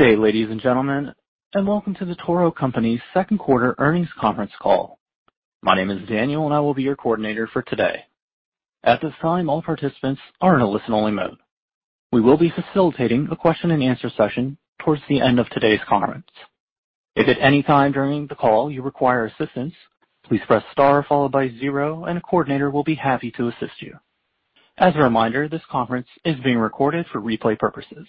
Good day, ladies and gentlemen, welcome to The Toro Company's second quarter earnings conference call. My name is Daniel, and I will be your coordinator for today. At this time, all participants are in a listen-only mode. We will be facilitating a question and answer session towards the end of today's conference. If at any time during the call you require assistance, please press star followed by zero, and a coordinator will be happy to assist you. As a reminder, this conference is being recorded for replay purposes.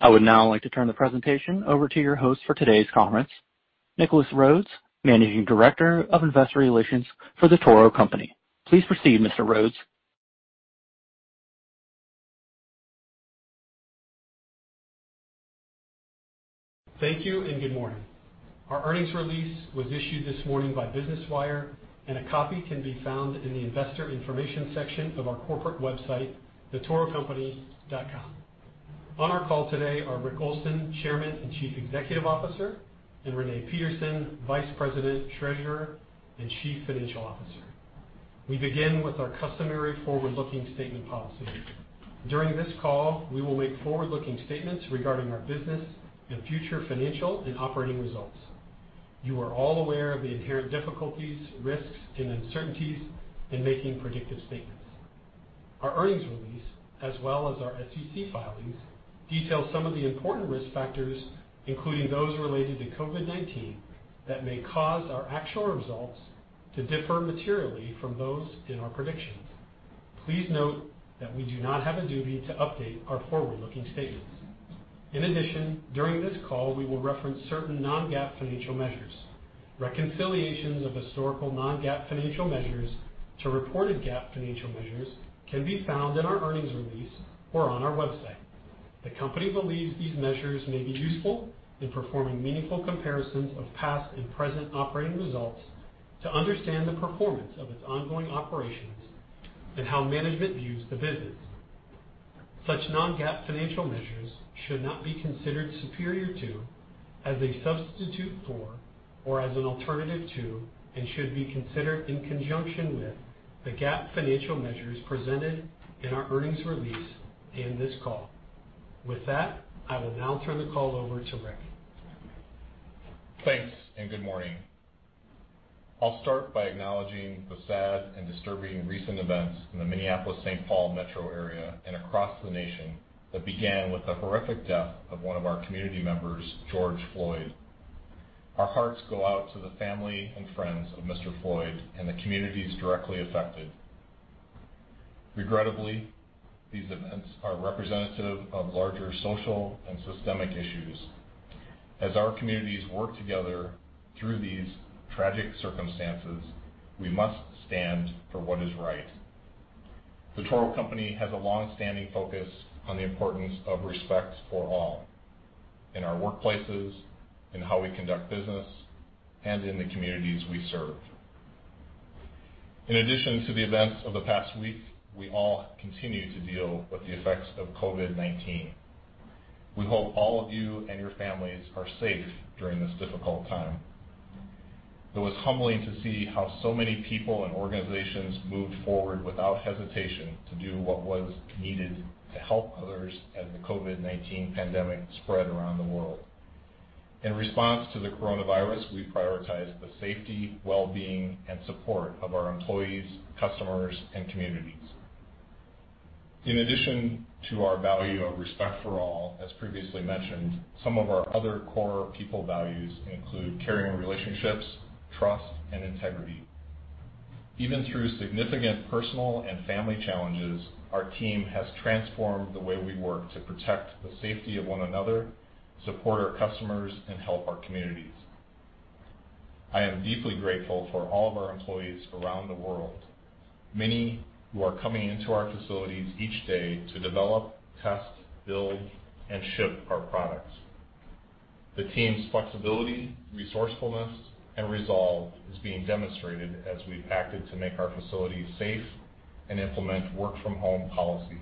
I would now like to turn the presentation over to your host for today's conference, Nicholas Rhoads, Managing Director of Investor Relations for The Toro Company. Please proceed, Mr. Rhoads. Thank you. Good morning. Our earnings release was issued this morning by Business Wire. A copy can be found in the investor information section of our corporate website, thetorocompany.com. On our call today are Rick Olson, Chairman and Chief Executive Officer, and Renee Peterson, Vice President, Treasurer, and Chief Financial Officer. We begin with our customary forward-looking statement policy. During this call, we will make forward-looking statements regarding our business and future financial and operating results. You are all aware of the inherent difficulties, risks, and uncertainties in making predictive statements. Our earnings release, as well as our SEC filings, detail some of the important risk factors, including those related to COVID-19, that may cause our actual results to differ materially from those in our predictions. Please note that we do not have a duty to update our forward-looking statements. In addition, during this call, we will reference certain Non-GAAP financial measures. Reconciliations of historical Non-GAAP financial measures to reported GAAP financial measures can be found in our earnings release or on our website. The company believes these measures may be useful in performing meaningful comparisons of past and present operating results to understand the performance of its ongoing operations and how management views the business. Such Non-GAAP financial measures should not be considered superior to, as a substitute for, or as an alternative to, and should be considered in conjunction with, the GAAP financial measures presented in our earnings release in this call. With that, I will now turn the call over to Rick. Thanks, good morning. I'll start by acknowledging the sad and disturbing recent events in the Minneapolis-St. Paul metro area and across the nation that began with the horrific death of one of our community members, George Floyd. Our hearts go out to the family and friends of Mr. Floyd and the communities directly affected. Regrettably, these events are representative of larger social and systemic issues. As our communities work together through these tragic circumstances, we must stand for what is right. The Toro Company has a long-standing focus on the importance of respect for all in our workplaces, in how we conduct business, and in the communities we serve. In addition to the events of the past week, we all continue to deal with the effects of COVID-19. We hope all of you and your families are safe during this difficult time. It was humbling to see how so many people and organizations moved forward without hesitation to do what was needed to help others as the COVID-19 pandemic spread around the world. In response to the coronavirus, we prioritized the safety, well-being, and support of our employees, customers, and communities. In addition to our value of respect for all, as previously mentioned, some of our other core people values include caring relationships, trust, and integrity. Even through significant personal and family challenges, our team has transformed the way we work to protect the safety of one another, support our customers, and help our communities. I am deeply grateful for all of our employees around the world, many who are coming into our facilities each day to develop, test, build, and ship our products. The team's flexibility, resourcefulness, and resolve is being demonstrated as we've acted to make our facilities safe and implement work-from-home policies.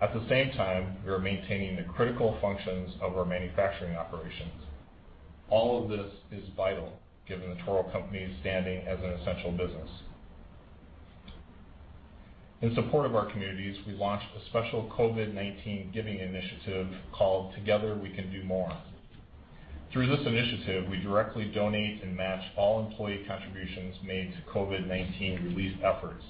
At the same time, we are maintaining the critical functions of our manufacturing operations. All of this is vital given The Toro Company's standing as an essential business. In support of our communities, we launched a special COVID-19 giving initiative called Together We Can Do More. Through this initiative, we directly donate and match all employee contributions made to COVID-19 relief efforts.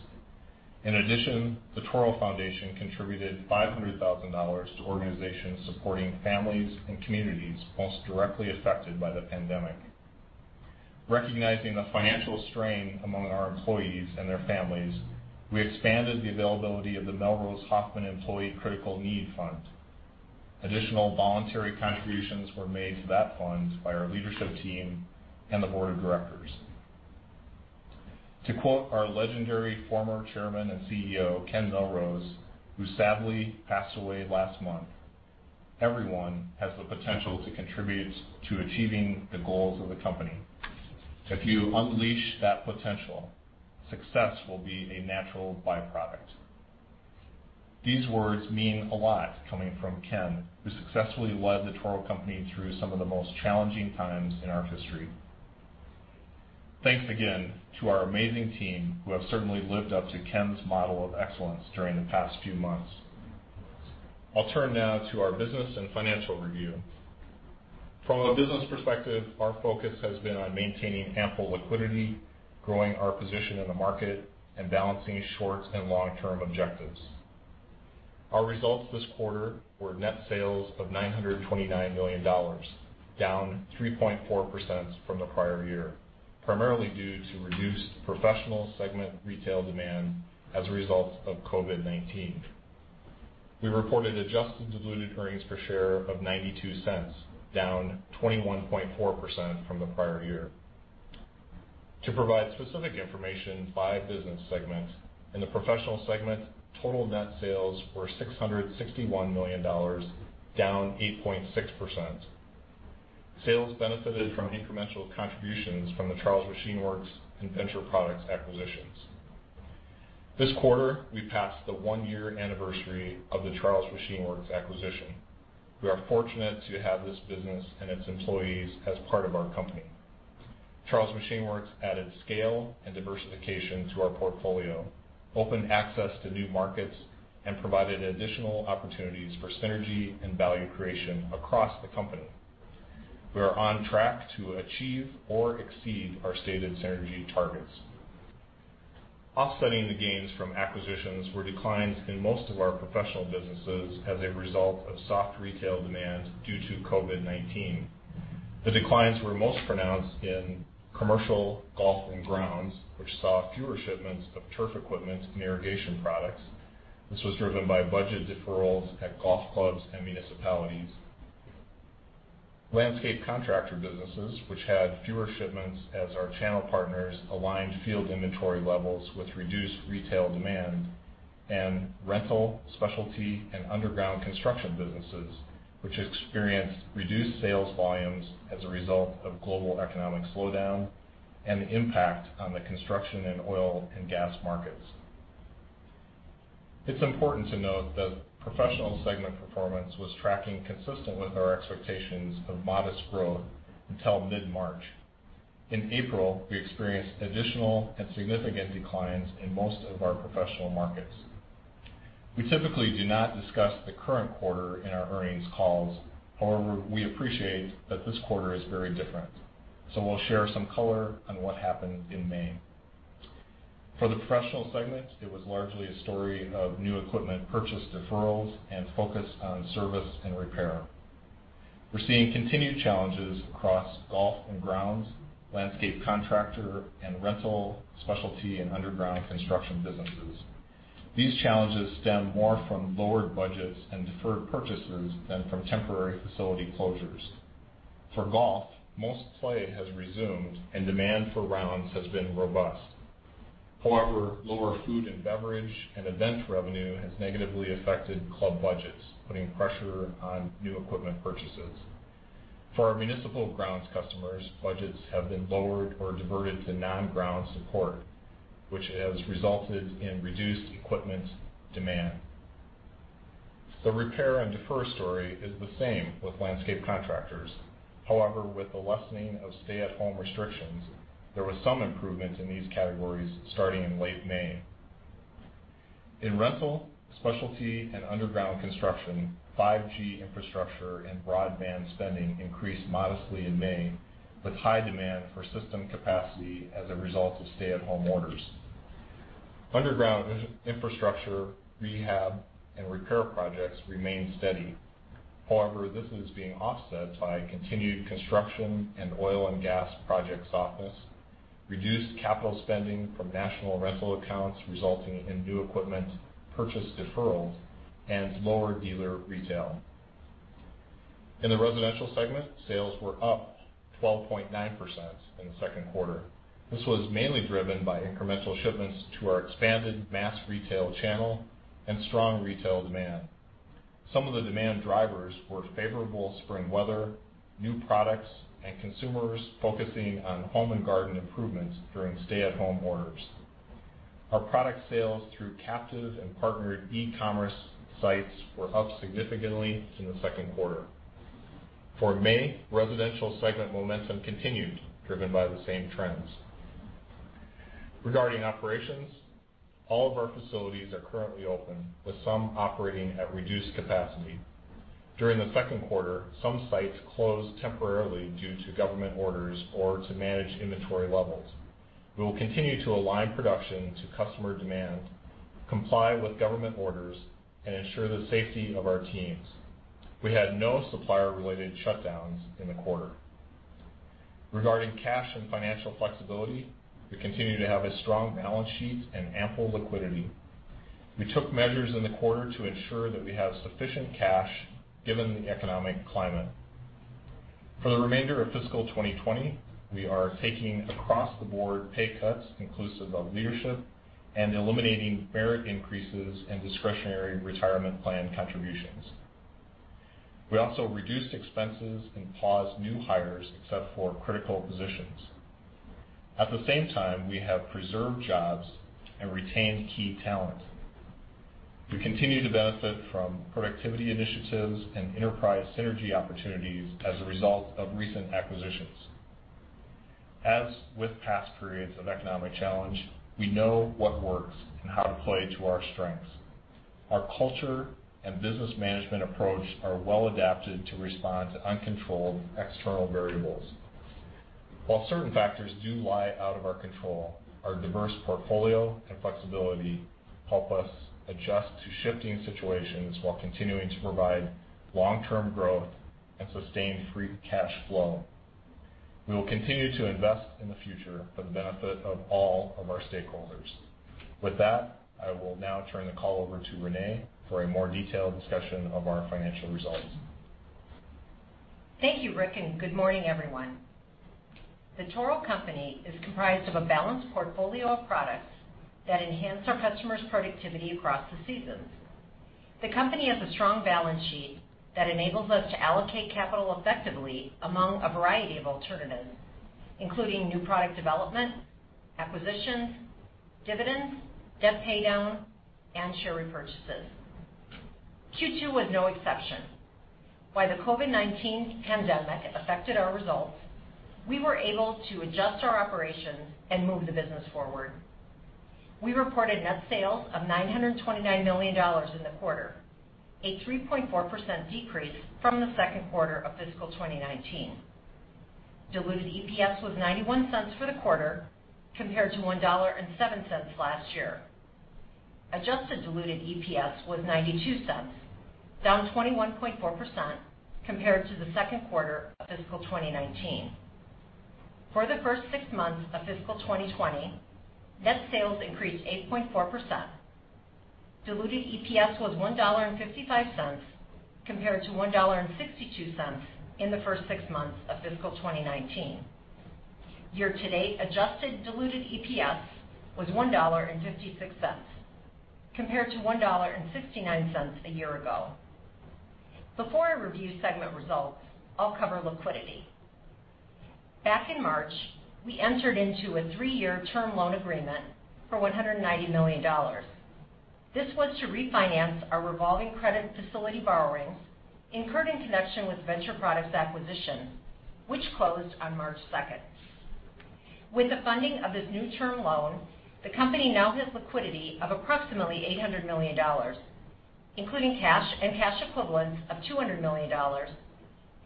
In addition, The Toro Foundation contributed $500,000 to organizations supporting families and communities most directly affected by the pandemic. Recognizing the financial strain among our employees and their families, we expanded the availability of the Melrose/Hoffman Employee Critical Need Fund. Additional voluntary contributions were made to that fund by our leadership team and the board of directors. To quote our legendary former Chairman and Chief Executive Officer, Ken Melrose, who sadly passed away last month, "Everyone has the potential to contribute to achieving the goals of the company. If you unleash that potential, success will be a natural byproduct." These words mean a lot coming from Ken, who successfully led The Toro Company through some of the most challenging times in our history. Thanks again to our amazing team who have certainly lived up to Ken's model of excellence during the past few months. I'll turn now to our business and financial review. From a business perspective, our focus has been on maintaining ample liquidity, growing our position in the market, and balancing short and long-term objectives. Our results this quarter were net sales of $929 million, down 3.4% from the prior year, primarily due to reduced professional segment retail demand as a result of COVID-19. We reported adjusted diluted EPS of $0.92, down 21.4% from the prior year. To provide specific information by business segment, in the Professional Segment, total net sales were $661 million, down 8.6%. Sales benefited from incremental contributions from the Charles Machine Works and Venture Products acquisitions. This quarter, we passed the one-year anniversary of the Charles Machine Works acquisition. We are fortunate to have this business and its employees as part of our company. Charles Machine Works added scale and diversification to our portfolio, opened access to new markets, and provided additional opportunities for synergy and value creation across the company. We are on track to achieve or exceed our stated synergy targets. Offsetting the gains from acquisitions were declines in most of our professional businesses as a result of soft retail demand due to COVID-19. The declines were most pronounced in commercial, golf, and grounds, which saw fewer shipments of turf equipment and irrigation products. This was driven by budget deferrals at golf clubs and municipalities. Landscape contractor businesses, which had fewer shipments as our channel partners aligned field inventory levels with reduced retail demand, and rental, specialty, and underground construction businesses, which experienced reduced sales volumes as a result of global economic slowdown and the impact on the construction and oil and gas markets. It's important to note that Professional Segment performance was tracking consistent with our expectations of modest growth until mid-March. In April, we experienced additional and significant declines in most of our professional markets. We typically do not discuss the current quarter in our earnings calls. However, we appreciate that this quarter is very different. We'll share some color on what happened in May. For the professional segment, it was largely a story of new equipment purchase deferrals and focus on service and repair. We're seeing continued challenges across golf and grounds, landscape contractor, and rental, specialty, and underground construction businesses. These challenges stem more from lowered budgets and deferred purchases than from temporary facility closures. For golf, most play has resumed, and demand for rounds has been robust. However, lower food and beverage and event revenue has negatively affected club budgets, putting pressure on new equipment purchases. For our municipal grounds customers, budgets have been lowered or diverted to non-grounds support, which has resulted in reduced equipment demand. The repair and defer story is the same with landscape contractors. However, with the lessening of stay-at-home restrictions, there was some improvement in these categories starting in late May. In rental, specialty, and underground construction, 5G infrastructure and broadband spending increased modestly in May with high demand for system capacity as a result of stay-at-home orders. Underground infrastructure, rehab, and repair projects remain steady. However, this is being offset by continued construction and oil and gas project softness, reduced capital spending from national rental accounts resulting in new equipment purchase deferrals, and lower dealer retail. In the residential segment, sales were up 12.9% in the second quarter. This was mainly driven by incremental shipments to our expanded mass retail channel and strong retail demand. Some of the demand drivers were favorable spring weather, new products, and consumers focusing on home and garden improvements during stay-at-home orders. Our product sales through captive and partnered e-commerce sites were up significantly in the second quarter. For May, residential segment momentum continued, driven by the same trends. Regarding operations, all of our facilities are currently open, with some operating at reduced capacity. During the second quarter, some sites closed temporarily due to government orders or to manage inventory levels. We will continue to align production to customer demand, comply with government orders, and ensure the safety of our teams. We had no supplier-related shutdowns in the quarter. Regarding cash and financial flexibility, we continue to have a strong balance sheet and ample liquidity. We took measures in the quarter to ensure that we have sufficient cash given the economic climate. For the remainder of fiscal 2020, we are taking across-the-board pay cuts, inclusive of leadership, and eliminating merit increases and discretionary retirement plan contributions. We also reduced expenses and paused new hires except for critical positions. At the same time, we have preserved jobs and retained key talent. We continue to benefit from productivity initiatives and enterprise synergy opportunities as a result of recent acquisitions. As with past periods of economic challenge, we know what works and how to play to our strengths. Our culture and business management approach are well-adapted to respond to uncontrolled external variables. While certain factors do lie out of our control, our diverse portfolio and flexibility help us adjust to shifting situations while continuing to provide long-term growth and sustained free cash flow. We will continue to invest in the future for the benefit of all of our stakeholders. With that, I will now turn the call over to Renee for a more detailed discussion of our financial results. Thank you, Rick. Good morning, everyone. The Toro Company is comprised of a balanced portfolio of products that enhance our customers' productivity across the seasons. The company has a strong balance sheet that enables us to allocate capital effectively among a variety of alternatives, including new product development, acquisitions, dividends, debt paydown, and share repurchases. Q2 was no exception. While the COVID-19 pandemic affected our results, we were able to adjust our operations and move the business forward. We reported net sales of $929 million in the quarter, a 3.4% decrease from the second quarter of fiscal 2019. Diluted EPS was $0.91 for the quarter, compared to $1.07 last year. Adjusted diluted EPS was $0.92, down 21.4% compared to the second quarter of fiscal 2019. For the first six months of fiscal 2020, net sales increased 8.4%. Diluted EPS was $1.55 compared to $1.62 in the first six months of fiscal 2019. Year-to-date adjusted diluted EPS was $1.56 compared to $1.69 a year ago. Before I review segment results, I'll cover liquidity. Back in March, we entered into a three-year term loan agreement for $190 million. This was to refinance our revolving credit facility borrowings incurred in connection with Venture Products' acquisition, which closed on March 2nd. With the funding of this new term loan, the company now has liquidity of approximately $800 million, including cash and cash equivalents of $200 million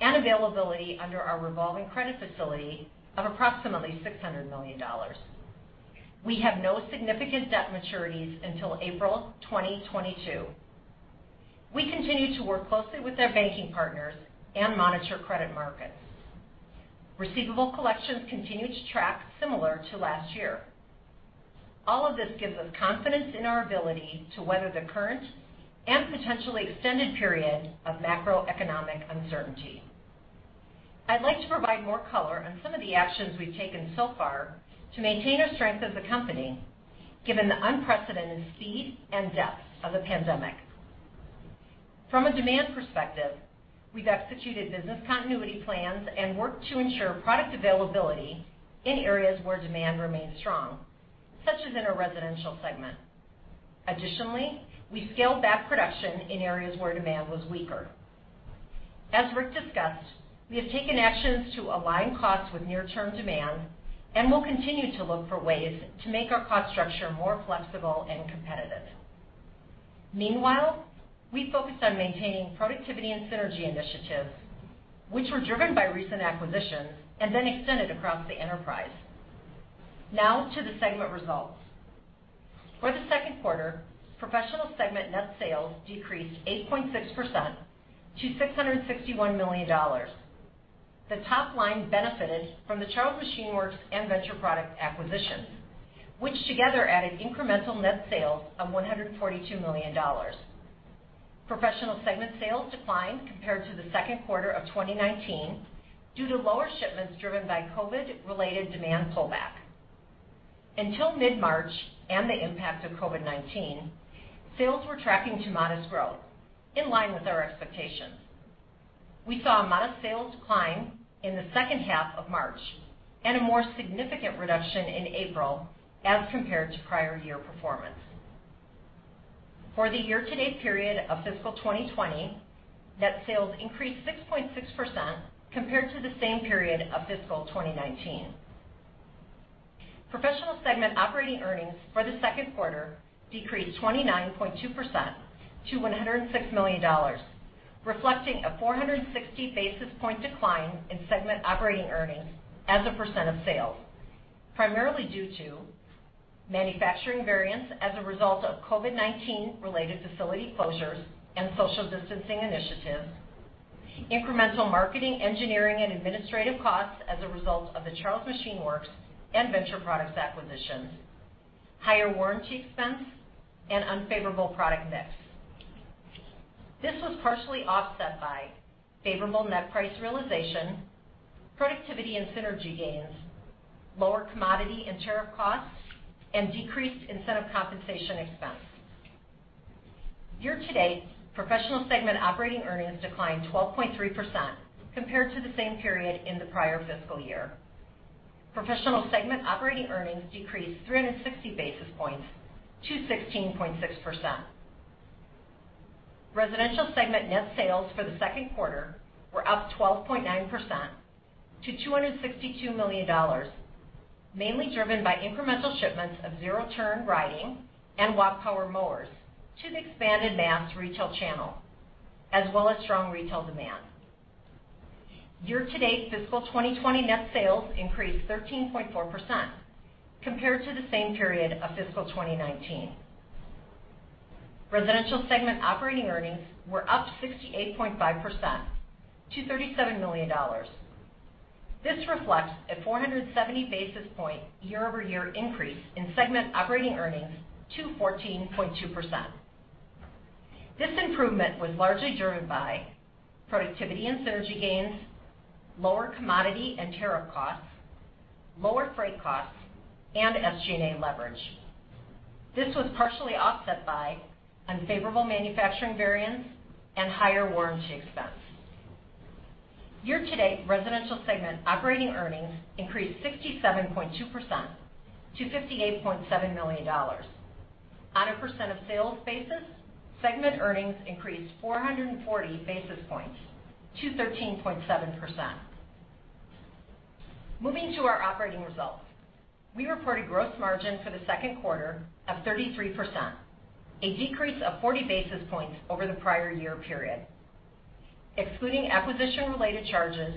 and availability under our revolving credit facility of approximately $600 million. We have no significant debt maturities until April 2022. We continue to work closely with our banking partners and monitor credit markets. Receivable collections continue to track similar to last year. All of this gives us confidence in our ability to weather the current and potentially extended period of macroeconomic uncertainty. I'd like to provide more color on some of the actions we've taken so far to maintain our strength as a company, given the unprecedented speed and depth of the pandemic. From a demand perspective, we've executed business continuity plans and worked to ensure product availability in areas where demand remains strong, such as in our residential segment. Additionally, we scaled back production in areas where demand was weaker. As Rick discussed, we have taken actions to align costs with near-term demand and will continue to look for ways to make our cost structure more flexible and competitive. Meanwhile, we focused on maintaining productivity and synergy initiatives, which were driven by recent acquisitions and then extended across the enterprise. Now to the segment results. For the second quarter, Professional segment net sales decreased 8.6% to $661 million. The top line benefited from the Charles Machine Works and Venture Products acquisitions, which together added incremental net sales of $142 million. Professional segment sales declined compared to the second quarter of 2019 due to lower shipments driven by COVID-related demand pullback. Until mid-March and the impact of COVID-19, sales were tracking to modest growth, in line with our expectations. We saw modest sales climb in the second half of March and a more significant reduction in April as compared to prior year performance. For the year-to-date period of fiscal 2020, net sales increased 6.6% compared to the same period of fiscal 2019. Professional Segment operating earnings for the second quarter decreased 29.2% to $106 million, reflecting a 460-basis-point decline in segment operating earnings as a percent of sales, primarily due to manufacturing variance as a result of COVID-19-related facility closures and social distancing initiatives, incremental marketing, engineering, and administrative costs as a result of the Charles Machine Works and Venture Products acquisitions, higher warranty expense, and unfavorable product mix. This was partially offset by favorable net price realization, productivity and synergy gains, lower commodity and tariff costs, and decreased incentive compensation expense. Year to date, Professional Segment operating earnings declined 12.3% compared to the same period in the prior fiscal year. Professional Segment operating earnings decreased 360 basis points to 16.6%. Residential segment net sales for the second quarter were up 12.9% to $262 million, mainly driven by incremental shipments of zero-turn riding and walk power mowers to the expanded mass retail channel, as well as strong retail demand. Year-to-date fiscal 2020 net sales increased 13.4% compared to the same period of fiscal 2019. Residential segment operating earnings were up 68.5% to $37 million. This reflects a 470 basis point year-over-year increase in segment operating earnings to 14.2%. This improvement was largely driven by productivity and synergy gains, lower commodity and tariff costs, lower freight costs and SG&A leverage. This was partially offset by unfavorable manufacturing variance and higher warranty expense. Year-to-date residential segment operating earnings increased 67.2% to $58.7 million. On a percent of sales basis, segment earnings increased 440 basis points to 13.7%. Moving to our operating results. We reported gross margin for the second quarter of 33%, a decrease of 40 basis points over the prior year period. Excluding acquisition-related charges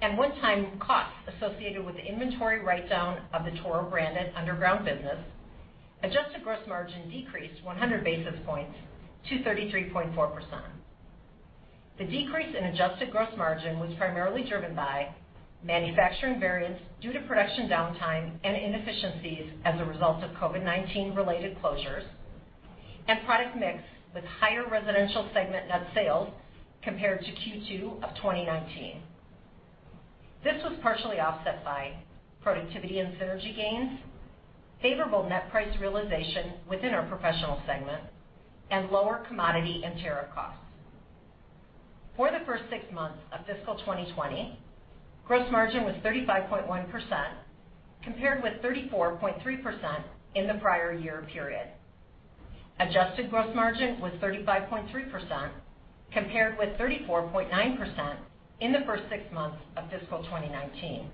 and one-time costs associated with the inventory write-down of the Toro branded underground business, adjusted gross margin decreased 100 basis points to 33.4%. The decrease in adjusted gross margin was primarily driven by manufacturing variance due to production downtime and inefficiencies as a result of COVID-19 related closures and product mix with higher residential segment net sales compared to Q2 of 2019. This was partially offset by productivity and synergy gains, favorable net price realization within our professional segment, and lower commodity and tariff costs. For the first six months of fiscal 2020, gross margin was 35.1%, compared with 34.3% in the prior year period. Adjusted gross margin was 35.3%, compared with 34.9% in the first six months of fiscal 2019.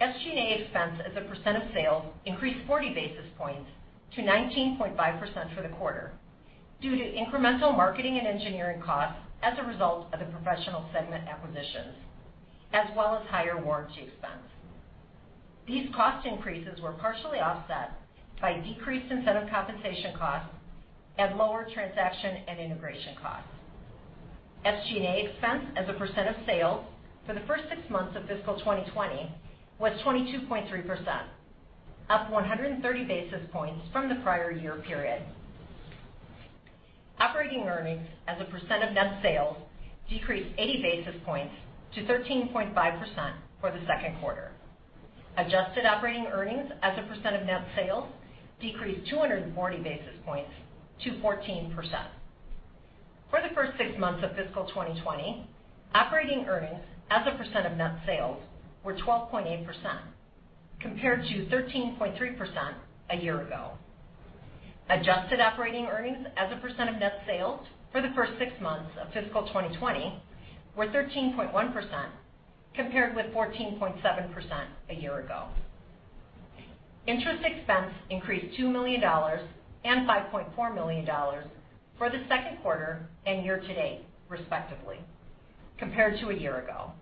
SG&A expense as a percent of sales increased 40 basis points to 19.5% for the quarter due to incremental marketing and engineering costs as a result of the professional segment acquisitions, as well as higher warranty expense. These cost increases were partially offset by decreased incentive compensation costs and lower transaction and integration costs. SG&A expense as a percent of sales for the first six months of fiscal 2020 was 22.3%, up 130 basis points from the prior year period. Operating earnings as a percent of net sales decreased 80 basis points to 13.5% for the second quarter. Adjusted operating earnings as a percent of net sales decreased 240 basis points to 14%. For the first six months of fiscal 2020, operating earnings as a percent of net sales were 12.8%, compared to 13.3% a year ago. Adjusted operating earnings as a percent of net sales for the first six months of fiscal 2020 were 13.1%, compared with 14.7% a year ago. Interest expense increased $2 million and $5.4 million for the second quarter and year-to-date respectively, compared to a year ago.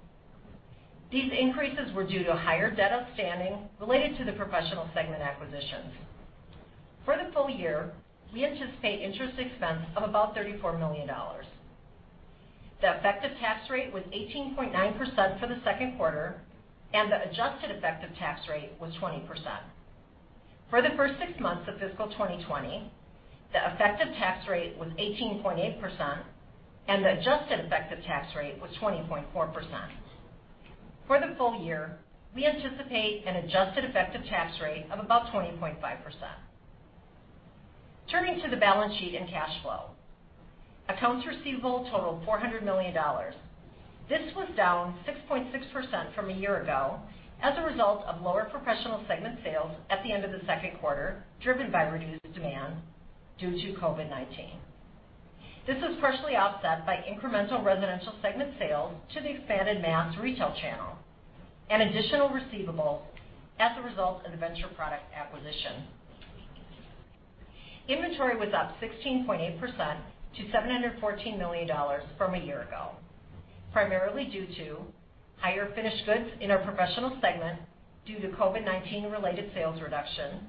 These increases were due to higher debt outstanding related to the professional segment acquisitions. For the full year, we anticipate interest expense of about $34 million. The effective tax rate was 18.9% for the second quarter, and the adjusted effective tax rate was 20%. For the first six months of fiscal 2020, the effective tax rate was 18.8%, and the adjusted effective tax rate was 20.4%. For the full year, we anticipate an adjusted effective tax rate of about 20.5%. Turning to the balance sheet and cash flow. Accounts receivable totaled $400 million. This was down 6.6% from a year ago as a result of lower professional segment sales at the end of the second quarter, driven by reduced demand due to COVID-19. This was partially offset by incremental residential segment sales to the expanded mass retail channel and additional receivable as a result of the Venture Products acquisition. Inventory was up 16.8% to $714 million from a year ago, primarily due to higher finished goods in our professional segment due to COVID-19 related sales reduction,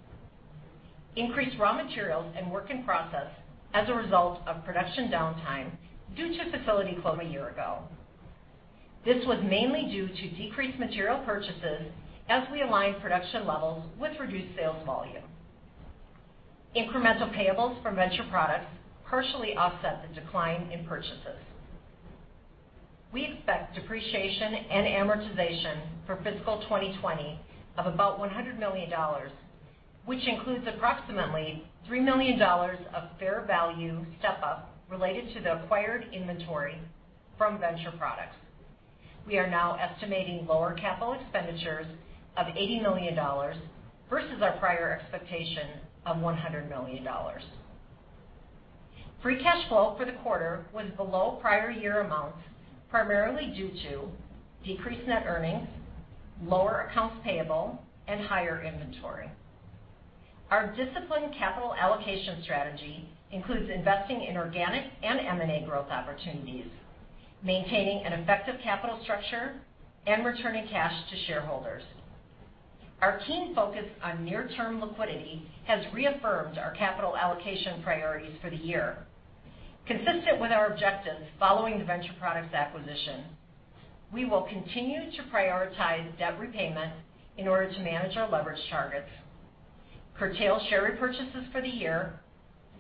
increased raw materials and work in process as a result of production downtime due to facility close over a year ago. This was mainly due to decreased material purchases as we align production levels with reduced sales volume. Incremental payables from Venture Products partially offset the decline in purchases. We expect depreciation and amortization for fiscal 2020 of about $100 million, which includes approximately $3 million of fair value step-up related to the acquired inventory from Venture Products. We are now estimating lower capital expenditures of $80 million versus our prior expectation of $100 million. Free cash flow for the quarter was below prior year amounts, primarily due to decreased net earnings, lower accounts payable, and higher inventory. Our disciplined capital allocation strategy includes investing in organic and M&A growth opportunities, maintaining an effective capital structure, and returning cash to shareholders. Our keen focus on near-term liquidity has reaffirmed our capital allocation priorities for the year. Consistent with our objectives following the Venture Products acquisition, we will continue to prioritize debt repayment in order to manage our leverage targets, curtail share repurchases for the year,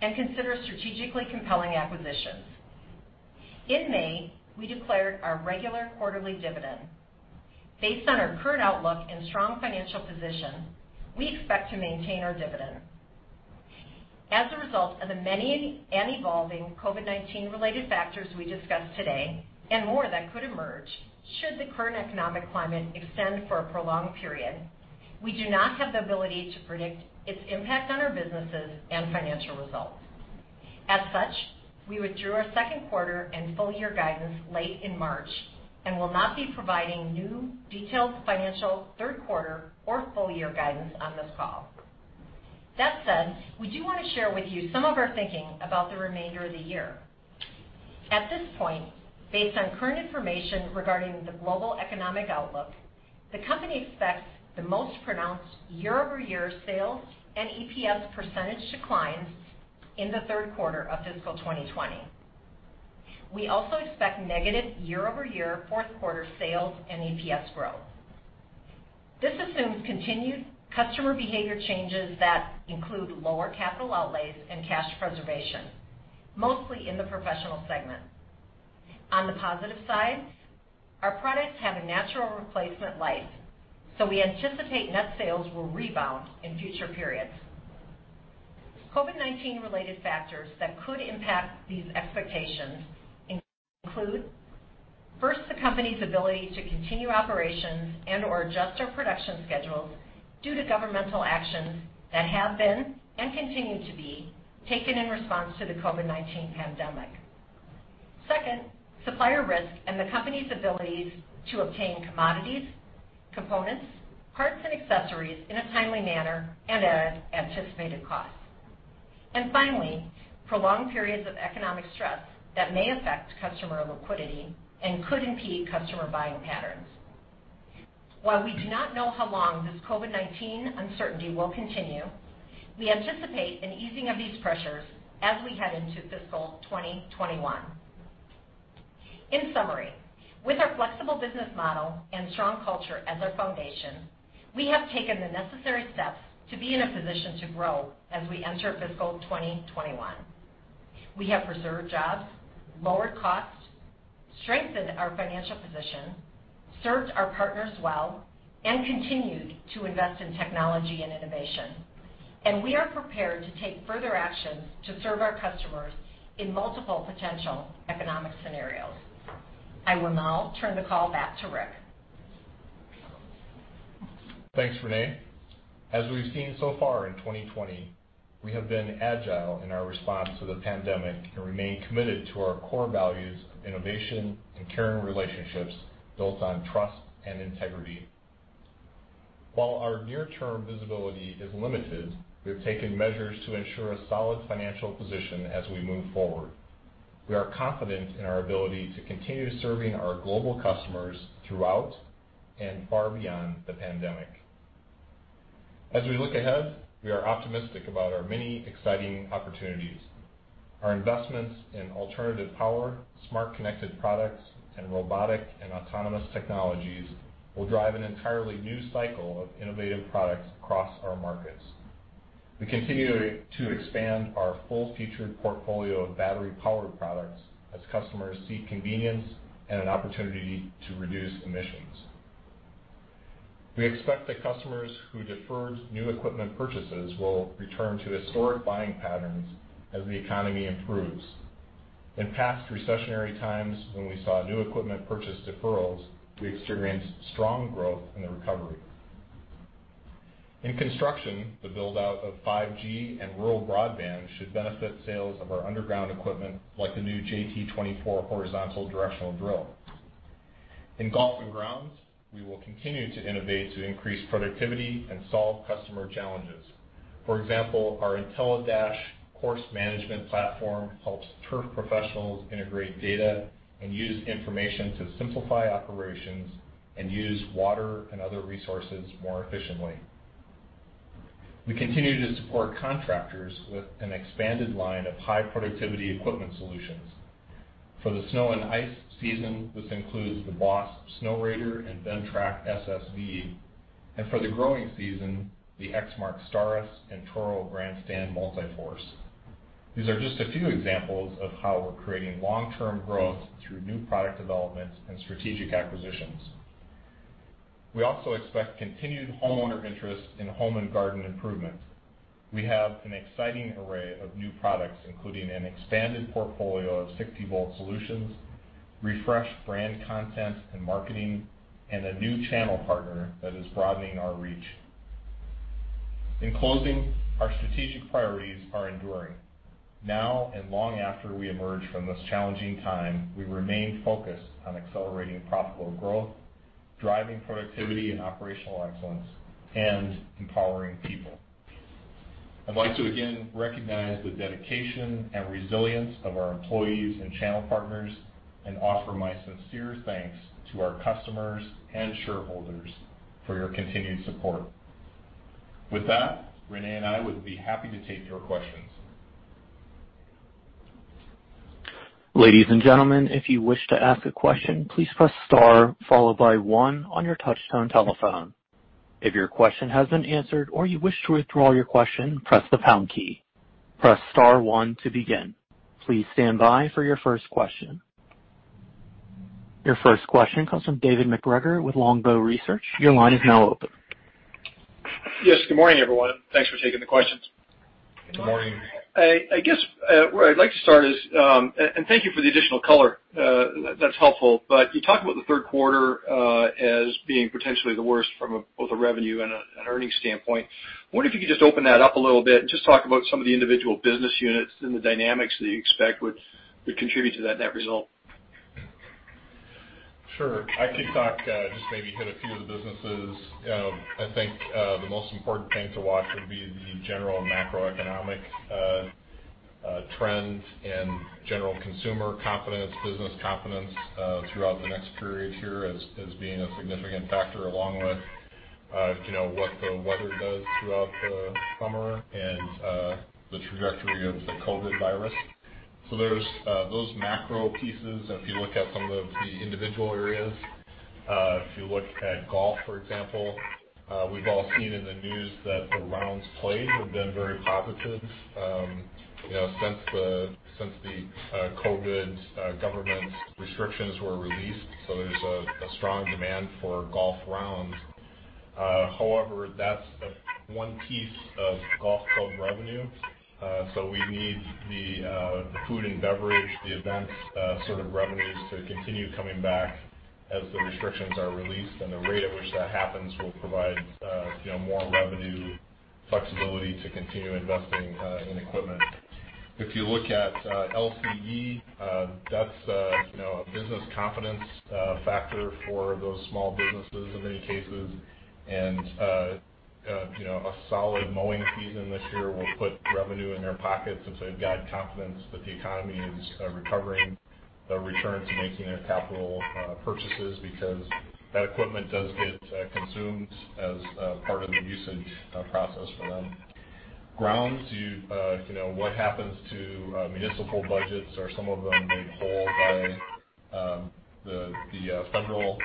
and consider strategically compelling acquisitions. In May, we declared our regular quarterly dividend. Based on our current outlook and strong financial position, we expect to maintain our dividend. As a result of the many and evolving COVID-19 related factors we discussed today, and more that could emerge should the current economic climate extend for a prolonged period, we do not have the ability to predict its impact on our businesses and financial results. As such, we withdrew our second quarter and full year guidance late in March and will not be providing new detailed financial, third quarter or full year guidance on this call. That said, we do want to share with you some of our thinking about the remainder of the year. At this point, based on current information regarding the global economic outlook, the company expects the most pronounced year-over-year sales and EPS percentage declines in the third quarter of fiscal 2020. We also expect negative year-over-year fourth quarter sales and EPS growth. This assumes continued customer behavior changes that include lower capital outlays and cash preservation, mostly in the professional segment. On the positive side, our products have a natural replacement life, we anticipate net sales will rebound in future periods. COVID-19 related factors that could impact these expectations include, first, the company's ability to continue operations and/or adjust our production schedules due to governmental actions that have been and continue to be taken in response to the COVID-19 pandemic. Second, supplier risk and the company's abilities to obtain commodities, components, parts, and accessories in a timely manner and at anticipated costs. Finally, prolonged periods of economic stress that may affect customer liquidity and could impede customer buying patterns. While we do not know how long this COVID-19 uncertainty will continue, we anticipate an easing of these pressures as we head into fiscal 2021. In summary, with our flexible business model and strong culture as our foundation, we have taken the necessary steps to be in a position to grow as we enter fiscal 2021. We have preserved jobs, lowered costs, strengthened our financial position, served our partners well, and continued to invest in technology and innovation. We are prepared to take further actions to serve our customers in multiple potential economic scenarios. I will now turn the call back to Rick. Thanks, Renee. As we've seen so far in 2020, we have been agile in our response to the pandemic and remain committed to our core values of innovation and caring relationships built on trust and integrity. While our near-term visibility is limited, we have taken measures to ensure a solid financial position as we move forward. We are confident in our ability to continue serving our global customers throughout and far beyond the pandemic. As we look ahead, we are optimistic about our many exciting opportunities. Our investments in alternative power, smart connected products, and robotic and autonomous technologies will drive an entirely new cycle of innovative products across our markets. We continue to expand our full-featured portfolio of battery-powered products as customers seek convenience and an opportunity to reduce emissions. We expect that customers who deferred new equipment purchases will return to historic buying patterns as the economy improves. In past recessionary times when we saw new equipment purchase deferrals, we experienced strong growth in the recovery. In construction, the build-out of 5G and rural broadband should benefit sales of our underground equipment, like the new JT24 horizontal directional drill. In golf and grounds, we will continue to innovate to increase productivity and solve customer challenges. For example, our IntelliDash course management platform helps turf professionals integrate data and use information to simplify operations and use water and other resources more efficiently. We continue to support contractors with an expanded line of high productivity equipment solutions. For the snow and ice season, this includes the BOSS Snowrator and Ventrac SSV. For the growing season, the Exmark Staris and Toro GrandStand MULTI FORCE. These are just a few examples of how we're creating long-term growth through new product developments and strategic acquisitions. We also expect continued homeowner interest in home and garden improvement. We have an exciting array of new products, including an expanded portfolio of 60-volt solutions, refreshed brand content and marketing, and a new channel partner that is broadening our reach. In closing, our strategic priorities are enduring. Now, and long after we emerge from this challenging time, we remain focused on accelerating profitable growth, driving productivity and operational excellence, and empowering people. I'd like to again recognize the dedication and resilience of our employees and channel partners, and offer my sincere thanks to our customers and shareholders for your continued support. With that, Renee and I would be happy to take your questions. Ladies and gentlemen, if you wish to ask a question, please press star followed by one on your touchtone telephone. If your question has been answered or you wish to withdraw your question, press the pound key. Press star one to begin. Please stand by for your first question. Your first question comes from David MacGregor with Longbow Research. Your line is now open. Yes, good morning, everyone. Thanks for taking the questions. Good morning. I guess where I'd like to start, and thank you for the additional color, that's helpful. You talk about the third quarter as being potentially the worst from both a revenue and an earnings standpoint. I wonder if you could just open that up a little bit and just talk about some of the individual business units and the dynamics that you expect would contribute to that net result. Sure. I could talk, just maybe hit a few of the businesses. I think, the most important thing to watch would be the general macroeconomic trend and general consumer confidence, business confidence, throughout the next period here as being a significant factor, along with what the weather does throughout the summer and the trajectory of the COVID-19 virus. Those macro pieces, if you look at some of the individual areas, if you look at golf, for example, we've all seen in the news that the rounds played have been very positive since the COVID-19 government restrictions were released. There's a strong demand for golf rounds. However, that's one piece of golf club revenue. We need the food and beverage, the events sort of revenues to continue coming back as the restrictions are released. The rate at which that happens will provide more revenue flexibility to continue investing in equipment. If you look at LCE, that's a business confidence factor for those small businesses in many cases, and a solid mowing season this year will put revenue in their pockets since they've got confidence that the economy is recovering. A return to making their capital purchases because that equipment does get consumed as part of the usage process for them. Grounds, what happens to municipal budgets? Are some of them made whole by the federal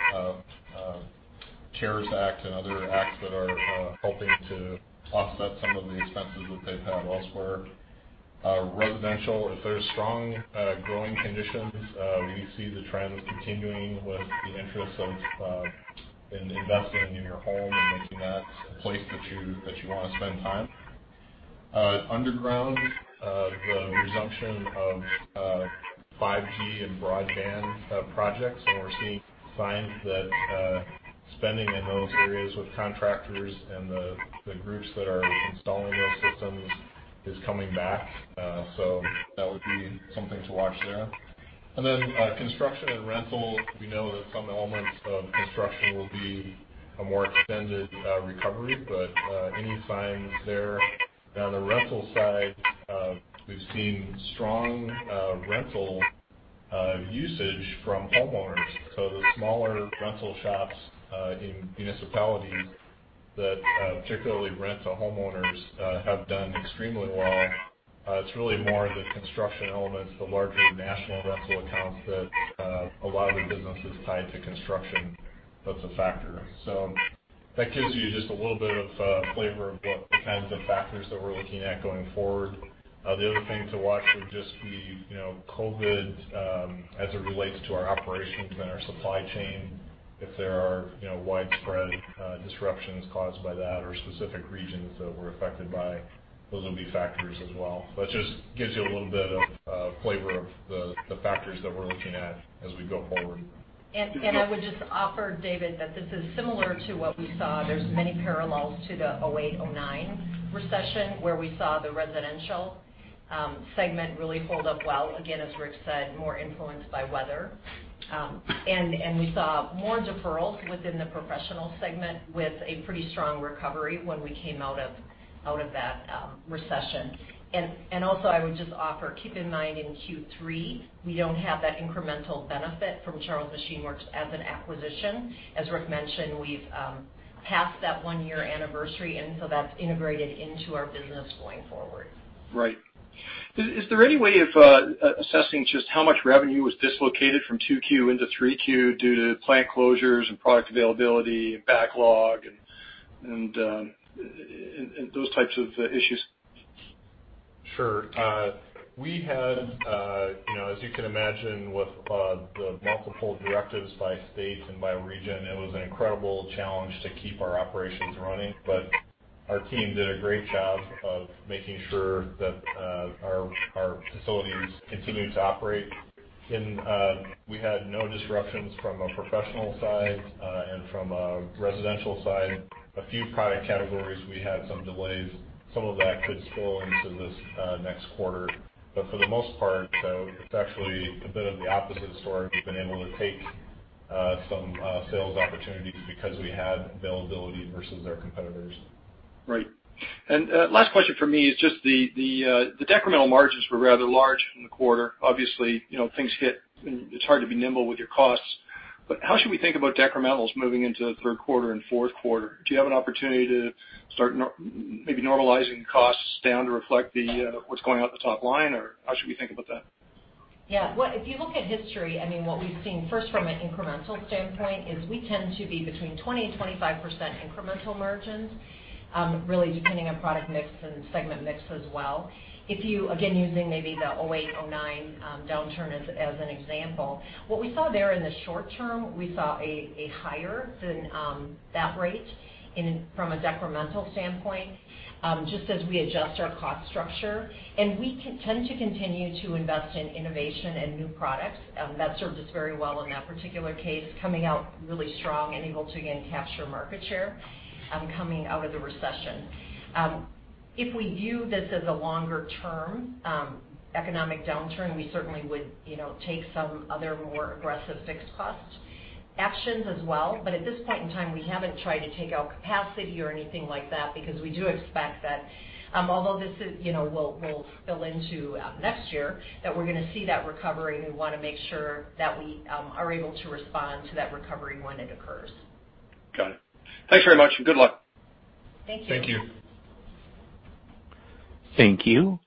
CARES Act and other acts that are helping to offset some of the expenses that they've had elsewhere? Residential, if there's strong growing conditions, we see the trends continuing with the interest in investing in your home and making that a place that you want to spend time. Underground, the resumption of 5G and broadband projects, we're seeing signs that spending in those areas with contractors and the groups that are installing those systems is coming back. That would be something to watch there. Construction and rental. We know that some elements of construction will be a more extended recovery, but any signs there. On the rental side, we've seen strong rental usage from homeowners. The smaller rental shops in municipalities that particularly rent to homeowners have done extremely well. It's really more the construction elements, the larger national rental accounts that a lot of the business is tied to construction, that's a factor. That gives you just a little bit of a flavor of what the kinds of factors that we're looking at going forward. The other thing to watch would just be COVID as it relates to our operations and our supply chain. If there are widespread disruptions caused by that or specific regions that were affected by, those will be factors as well. That just gives you a little bit of a flavor of the factors that we're looking at as we go forward. I would just offer, David, that this is similar to what we saw. There's many parallels to the 2008, 2009 recession, where we saw the residential segment really hold up well, again, as Rick said, more influenced by weather. We saw more deferrals within the professional segment with a pretty strong recovery when we came out of that recession. Also, I would just offer, keep in mind in Q3, we don't have that incremental benefit from Charles Machine Works as an acquisition. As Rick mentioned, we've passed that one-year anniversary, that's integrated into our business going forward. Right. Is there any way of assessing just how much revenue was dislocated from 2Q into 3Q due to plant closures and product availability and backlog and those types of issues? Sure. As you can imagine, with the multiple directives by states and by region, it was an incredible challenge to keep our operations running. Our team did a great job of making sure that our facilities continued to operate, and we had no disruptions from a professional side and from a residential side. A few product categories, we had some delays. Some of that could spill into this next quarter. For the most part, it's actually a bit of the opposite story. We've been able to take some sales opportunities because we had availability versus our competitors. Right. Last question from me is just the decremental margins were rather large in the quarter. Obviously, it's hard to be nimble with your costs, how should we think about decrementals moving into the third quarter and fourth quarter? Do you have an opportunity to start maybe normalizing costs down to reflect what's going on at the top line, or how should we think about that? Yeah. If you look at history, what we've seen, first from an incremental standpoint, is we tend to be between 20% and 25% incremental margins, really depending on product mix and segment mix as well. Using maybe the 2008, 2009 downturn as an example, what we saw there in the short term, we saw higher than that rate from a decremental standpoint, just as we adjust our cost structure. We tend to continue to invest in innovation and new products. That served us very well in that particular case, coming out really strong and able to, again, capture market share coming out of the recession. If we view this as a longer-term economic downturn, we certainly would take some other more aggressive fixed cost actions as well. At this point in time, we haven't tried to take out capacity or anything like that, because we do expect that although this will spill into next year, that we're going to see that recovery, and we want to make sure that we are able to respond to that recovery when it occurs. Got it. Thanks very much, and good luck. Thank you. Thank you. Thank you.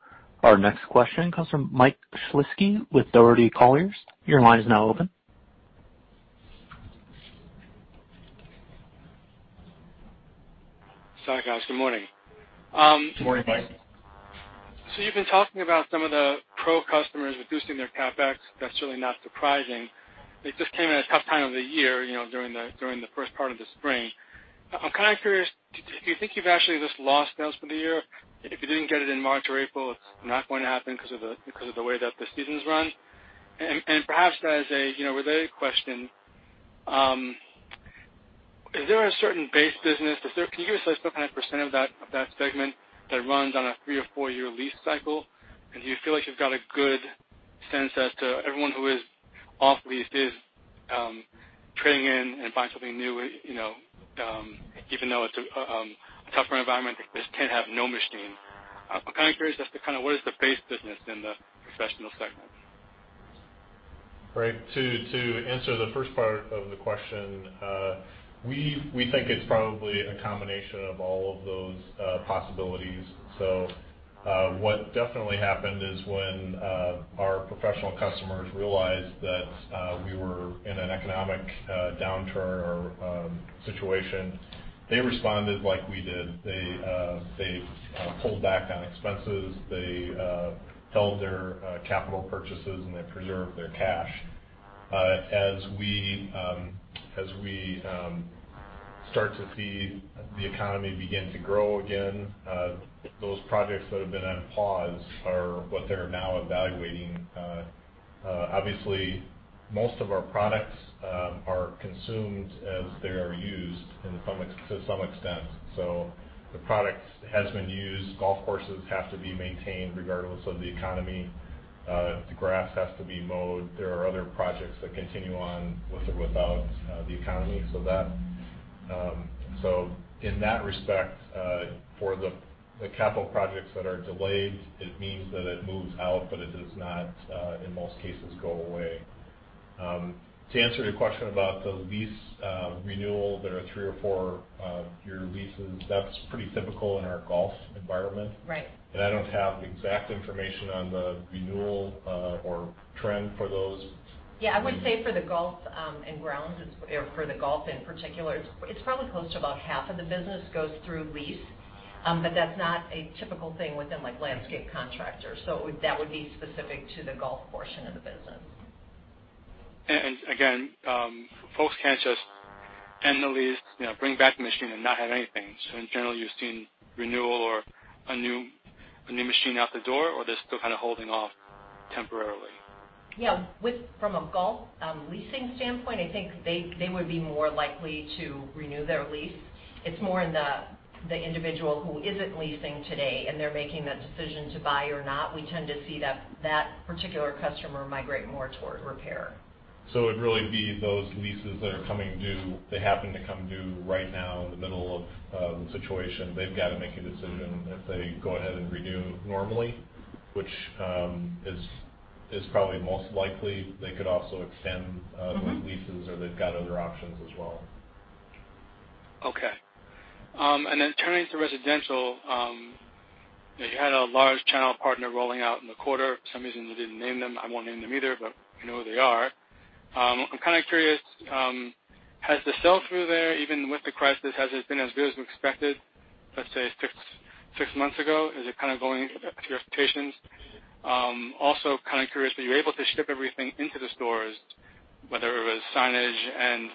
Our next question comes from Mike Shlisky with Colliers Securities. Your line is now open. Sorry, guys. Good morning. Good morning, Mike. You've been talking about some of the pro customers reducing their CapEx. That's really not surprising. It just came at a tough time of the year, during the first part of the spring. I'm kind of curious, do you think you've actually just lost sales for the year? If you didn't get it in March or April, it's not going to happen because of the way that the seasons run? Perhaps as a related question, is there a certain base business, can you give us a kind of percentage of that segment that runs on a three or four-year lease cycle? Do you feel like you've got a good sense as to everyone who is off lease is trading in and buying something new, even though it's a tougher environment, they can't have no machine. I'm kind of curious as to what is the base business in the professional segment? To answer the first part of the question, we think it's probably a combination of all of those possibilities. What definitely happened is when our professional customers realized that we were in an economic downturn or situation, they responded like we did. They pulled back on expenses. They held their capital purchases, and they preserved their cash. As we start to see the economy begin to grow again, those projects that have been on pause are what they're now evaluating. Obviously, most of our products are consumed as they are used to some extent. The product has been used. Golf courses have to be maintained regardless of the economy. The grass has to be mowed. There are other projects that continue on with or without the economy. In that respect, for the capital projects that are delayed, it means that it moves out, but it does not, in most cases, go away. To answer your question about the lease renewal, there are three-year or four-year leases. That's pretty typical in our golf environment. Right. I don't have the exact information on the renewal or trend for those. I would say for the golf in particular, it's probably close to about half of the business goes through lease. That's not a typical thing within landscape contractors. That would be specific to the golf portion of the business. Again, folks can't just end the lease, bring back the machine, and not have anything. In general, you're seeing renewal or a new machine out the door, or they're still kind of holding off temporarily? Yeah. From a golf leasing standpoint, I think they would be more likely to renew their lease. It is more in the individual who is not leasing today, and they are making that decision to buy or not. We tend to see that particular customer migrate more toward repair. It'd really be those leases that are coming due. They happen to come due right now in the middle of the situation. They've got to make a decision if they go ahead and renew normally, which is probably most likely. They could also extend those leases, or they've got other options as well. Okay. Turning to residential, you had a large channel partner rolling out in the quarter. For some reason, you didn't name them. I won't name them either, but we know who they are. I'm curious, has the sell-through there, even with the crisis, has it been as good as we expected, let's say, six months ago? Is it going to your expectations? I'm also curious, were you able to ship everything into the stores, whether it was signage and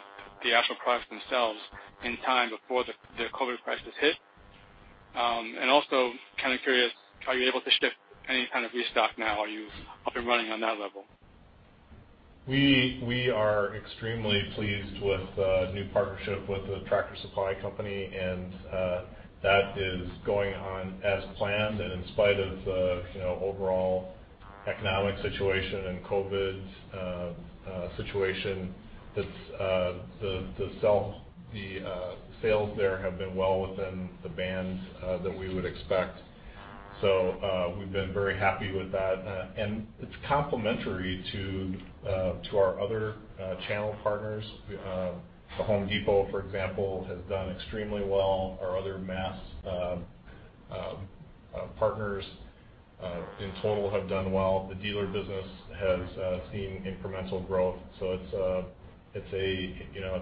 the actual products themselves, in time before the COVID-19 crisis hit? Also kind of curious, are you able to ship any kind of restock now? Are you up and running on that level? We are extremely pleased with the new partnership with the Tractor Supply Company, and that is going on as planned. In spite of the overall economic situation and COVID-19 situation, the sales there have been well within the band that we would expect. We've been very happy with that. It's complementary to our other channel partners. The Home Depot, for example, has done extremely well. Our other mass partners in total have done well. The dealer business has seen incremental growth. It's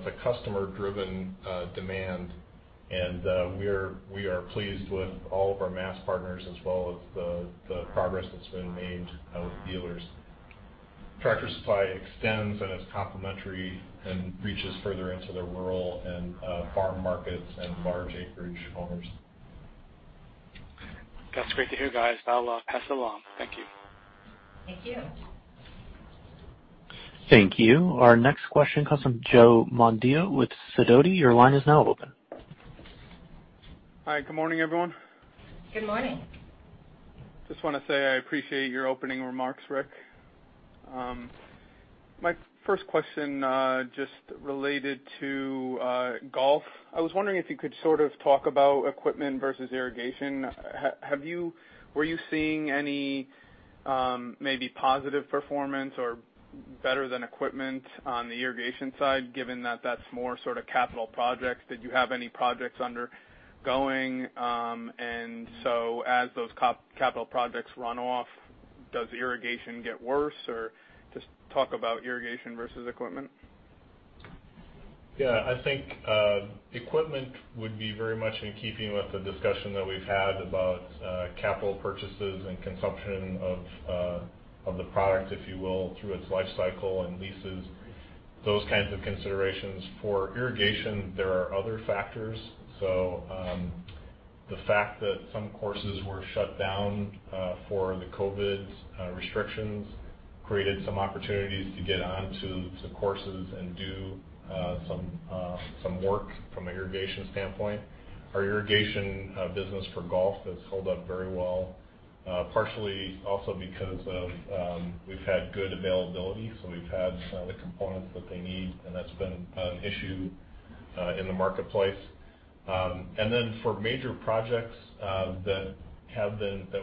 a customer-driven demand, and we are pleased with all of our mass partners, as well as the progress that's been made with dealers. Tractor Supply extends and is complementary and reaches further into the rural and farm markets and large acreage owners. That's great to hear, guys. I'll pass it along. Thank you. Thank you. Thank you. Our next question comes from Joe Mondillo with Sidoti. Your line is now open. Hi, good morning, everyone. Good morning. Just want to say I appreciate your opening remarks, Rick. My first question just related to golf. I was wondering if you could sort of talk about equipment versus irrigation. Were you seeing any maybe positive performance or better than equipment on the irrigation side, given that that's more sort of capital projects? Did you have any projects undergoing? As those capital projects run off, does irrigation get worse? Just talk about irrigation versus equipment. Yeah, I think equipment would be very much in keeping with the discussion that we've had about capital purchases and consumption of the product, if you will, through its life cycle and leases, those kinds of considerations. For irrigation, there are other factors. The fact that some courses were shut down for the COVID-19 restrictions created some opportunities to get onto some courses and do some work from an irrigation standpoint. Our irrigation business for golf has held up very well, partially also because of we've had good availability, we've had the components that they need, and that's been an issue in the marketplace. For major projects that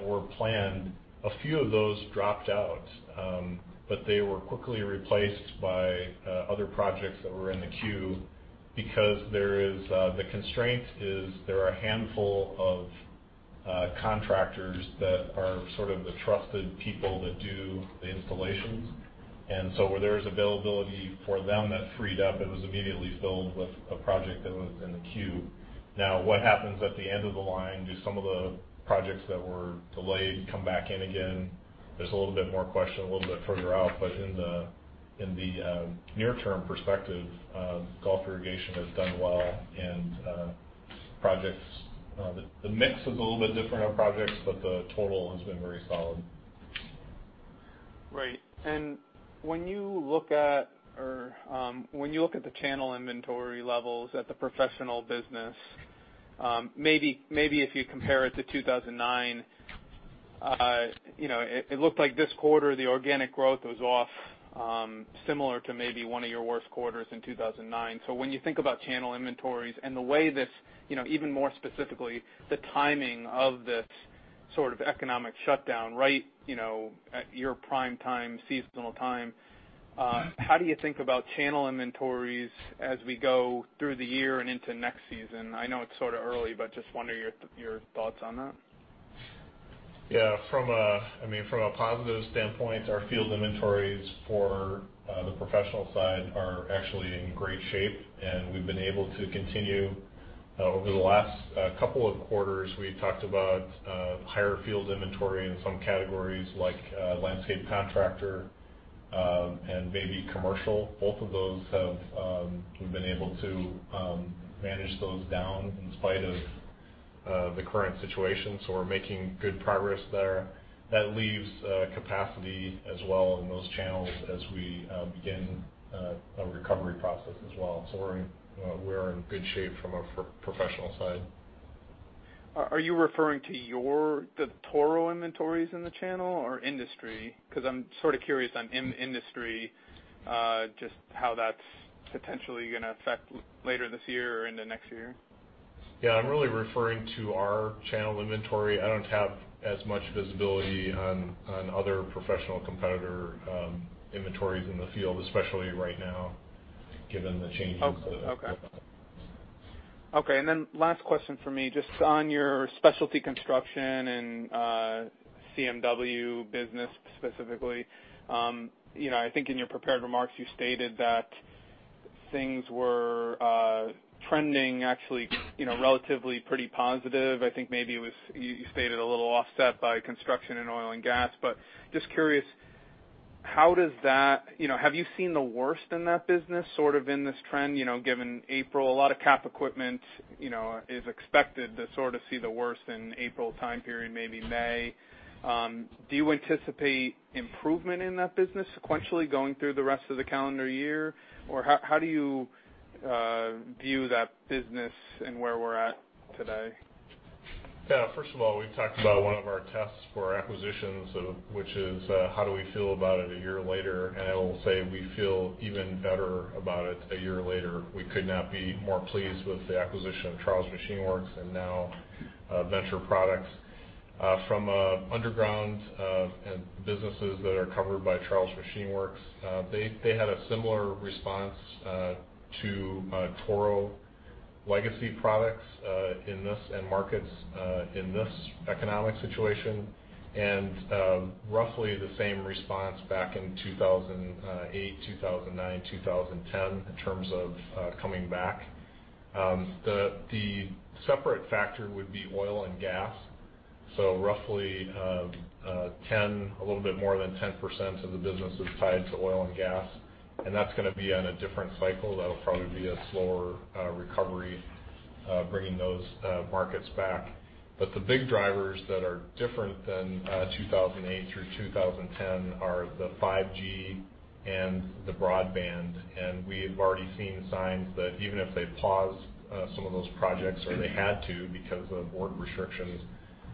were planned, a few of those dropped out, but they were quickly replaced by other projects that were in the queue because the constraint is there are a handful of contractors that are sort of the trusted people that do the installations. Where there's availability for them that freed up, it was immediately filled with a project that was in the queue. What happens at the end of the line? Do some of the projects that were delayed come back in again? There's a little bit more question a little bit further out, but in the near-term perspective, golf irrigation has done well, and the mix is a little bit different on projects, but the total has been very solid. Right. When you look at the channel inventory levels at the professional business, maybe if you compare it to 2009, it looked like this quarter, the organic growth was off similar to maybe one of your worst quarters in 2009. When you think about channel inventories and even more specifically, the timing of this sort of economic shutdown right at your prime time, seasonal time, how do you think about channel inventories as we go through the year and into next season? I know it's sort of early, but just wonder your thoughts on that? Yeah. From a positive standpoint, our field inventories for the professional side are actually in great shape, and we've been able to continue. Over the last couple of quarters, we talked about higher field inventory in some categories like landscape contractor and maybe commercial. Both of those we've been able to manage those down in spite of the current situation. We're making good progress there. That leaves capacity as well in those channels as we begin a recovery process as well. We're in good shape from a professional side. Are you referring to the Toro inventories in the channel or industry? I'm sort of curious on industry, just how that's potentially going to affect later this year or into next year. I'm really referring to our channel inventory. I don't have as much visibility on other professional competitor inventories in the field, especially right now, given the changes. Okay. Then last question from me, just on your specialty construction and CMW business specifically. I think in your prepared remarks, you stated that things were trending actually relatively pretty positive. I think maybe you stated a little offset by construction in oil and gas. Just curious, have you seen the worst in that business, sort of in this trend, given April, a lot of cap equipment is expected to sort of see the worst in April time period, maybe May. Do you anticipate improvement in that business sequentially going through the rest of the calendar year? How do you view that business and where we're at today? Yeah. First of all, we've talked about one of our tests for acquisitions, which is how do we feel about it a year later? I will say we feel even better about it a year later. We could not be more pleased with the acquisition of Charles Machine Works and now Venture Products. From underground and businesses that are covered by Charles Machine Works, they had a similar response to Toro legacy products and markets in this economic situation, and roughly the same response back in 2008, 2009, 2010, in terms of coming back. The separate factor would be oil and gas. Roughly a little bit more than 10% of the business is tied to oil and gas, and that's going to be on a different cycle. That'll probably be a slower recovery bringing those markets back. The big drivers that are different than 2008 through 2010 are the 5G and the broadband. We have already seen signs that even if they pause some of those projects or they had to because of board restrictions,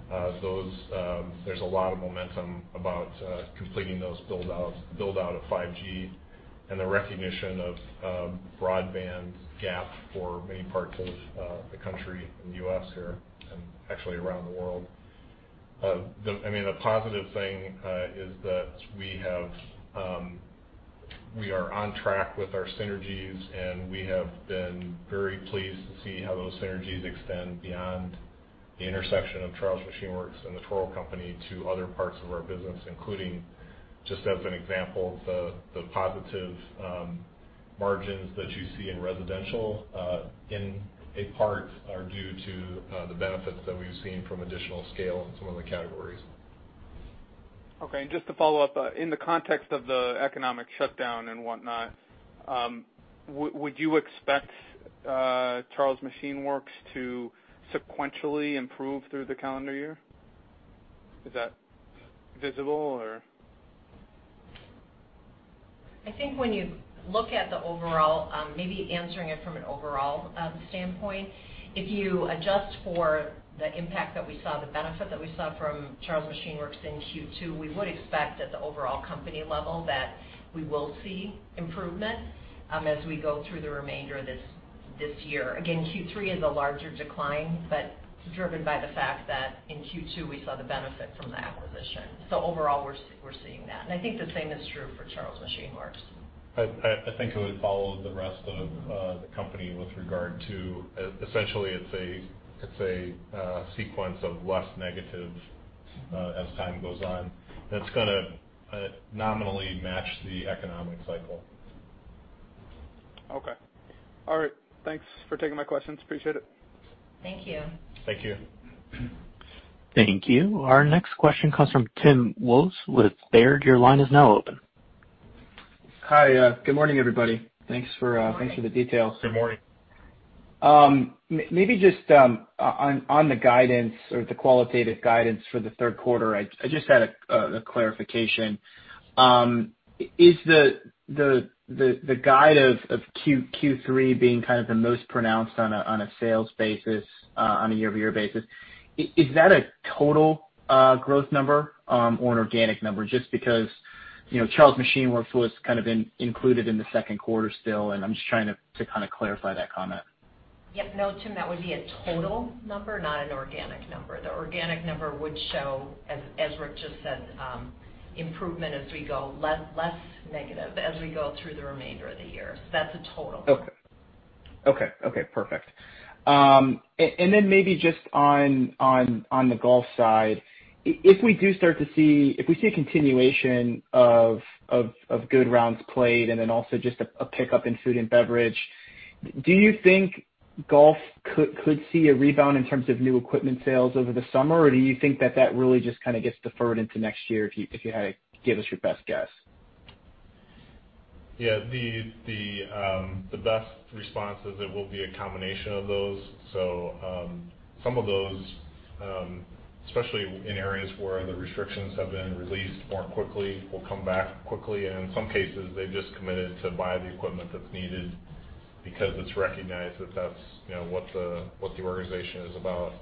there's a lot of momentum about completing those build out of 5G and the recognition of broadband gap for many parts of the country in the U.S. here and actually around the world. The positive thing is that we are on track with our synergies, and we have been very pleased to see how those synergies extend beyond the intersection of Charles Machine Works and The Toro Company to other parts of our business, including, just as an example, the positive margins that you see in residential, in a part are due to the benefits that we've seen from additional scale in some of the categories. Okay. Just to follow up, in the context of the economic shutdown and whatnot, would you expect Charles Machine Works to sequentially improve through the calendar year? Is that visible or? I think when you look at the overall, maybe answering it from an overall standpoint, if you adjust for the impact that we saw, the benefit that we saw from Charles Machine Works in Q2, we would expect at the overall company level that we will see improvement as we go through the remainder of this year. Q3 is a larger decline, but driven by the fact that in Q2 we saw the benefit from the acquisition. Overall, we're seeing that. I think the same is true for Charles Machine Works. I think it would follow the rest of the company with regard to, essentially it's a sequence of less negative as time goes on. That's going to nominally match the economic cycle. Okay. All right. Thanks for taking my questions. Appreciate it. Thank you. Thank you. Thank you. Our next question comes from Tim Wojs with Baird. Your line is now open. Hi. Good morning, everybody. Thanks for the details. Good morning. Maybe just on the guidance or the qualitative guidance for the third quarter, I just had a clarification. Is the guide of Q3 being kind of the most pronounced on a sales basis, on a year-over-year basis, is that a total growth number or an organic number? Just because Charles Machine Works was kind of included in the second quarter still, and I'm just trying to kind of clarify that comment. Yep. No, Tim, that would be a total number, not an organic number. The organic number would show, as Rick just said, improvement as we go less negative as we go through the remainder of the year. That's a total. Okay. Perfect. Maybe just on the golf side, if we see a continuation of good rounds played and then also just a pickup in food and beverage, do you think golf could see a rebound in terms of new equipment sales over the summer? Do you think that that really just kind of gets deferred into next year, if you had to give us your best guess? The best response is it will be a combination of those. Some of those, especially in areas where the restrictions have been released more quickly, will come back quickly. In some cases, they've just committed to buy the equipment that's needed because it's recognized that's what the organization is about.